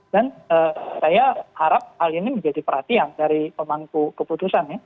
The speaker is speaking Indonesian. dan saya harap hal ini menjadi perhatian dari pemangku keputusan ya